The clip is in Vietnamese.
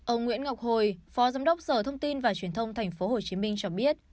ông nguyễn ngọc hồi phó giám đốc sở thông tin và truyền thông thành phố hồ chí minh cho biết